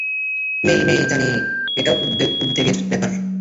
মেই-মেই, জানি এটা উদ্বেগের ব্যাপার।